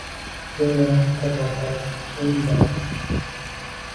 Goʼyo xira tortar kun-bakun.